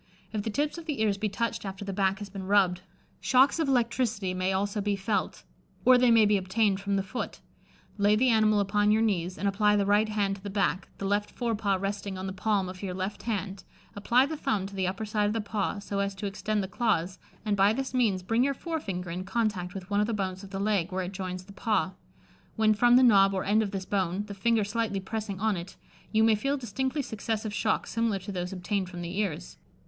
If the tips of the ears be touched after the back has been rubbed, shocks of electricity may also be felt, or they may be obtained from the foot. Lay the animal upon your knees, and apply the right hand to the back, the left fore paw resting on the palm of your left hand, apply the thumb to the upper side of the paw, so as to extend the claws, and by this means bring your fore finger in contact with one of the bones of the leg, where it joins the paw; when from the knob or end of this bone, the finger slightly pressing on it, you may feel distinctly successive shocks similar to those obtained from the ears.